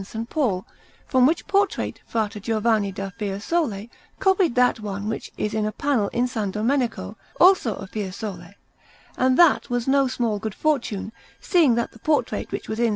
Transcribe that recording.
Paul; from which portrait Fra Giovanni da Fiesole copied that one which is in a panel in S. Domenico, also of Fiesole; and that was no small good fortune, seeing that the portrait which was in S.